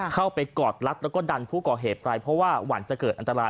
กอดรัดแล้วก็ดันผู้ก่อเหตุไปเพราะว่าหวั่นจะเกิดอันตราย